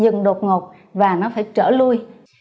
dừng đột ngột và nó phải trở lùi